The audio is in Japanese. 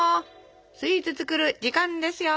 スイーツ作る時間ですよ。